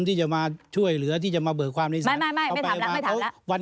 ที่จะมาช่วยเหลือที่จะมาเบิกความนิสัย